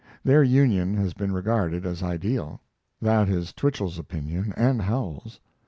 Their union has been regarded as ideal. That is Twichell's opinion and Howells's.